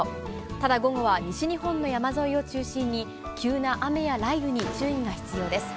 ただ午後は西日本の山沿いを中心に、急な雨や雷雨に注意が必要です。